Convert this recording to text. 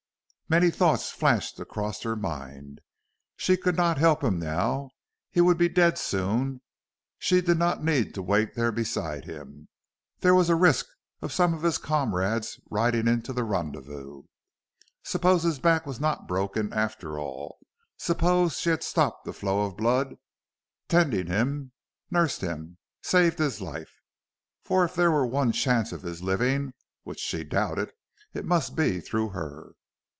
Many thoughts flashed across her mind. She could not help him now; he would be dead soon; she did not need to wait there beside him; there was a risk of some of his comrades riding into that rendezvous. Suppose his back was not broken after all! Suppose she stopped the flow of blood, tended him, nursed him, saved his life? For if there were one chance of his living, which she doubted, it must be through her.